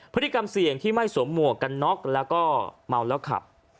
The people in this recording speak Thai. พฤติกรรมเสี่ยงที่ไม่สวมหมวกกันน็อกแล้วก็เมาแล้วขับ